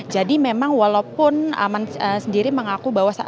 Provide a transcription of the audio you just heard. jadi memang walaupun aman sendiri mengaku bahwa